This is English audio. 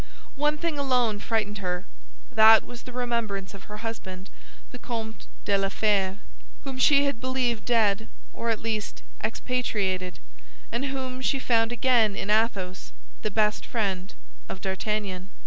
One thing alone frightened her; that was the remembrance of her husband, the Comte de la Fère, whom she had believed dead, or at least expatriated, and whom she found again in Athos—the best friend of D'Artagnan.